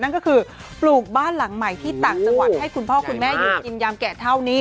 นั่นก็คือปลูกบ้านหลังใหม่ที่ต่างจังหวัดให้คุณพ่อคุณแม่อยู่กินยามแก่เท่านี้